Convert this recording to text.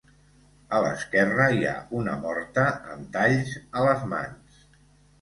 A l'esquerra hi ha una morta amb talls a les mans.